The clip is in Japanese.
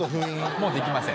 もうできません。